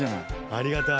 ありがたい。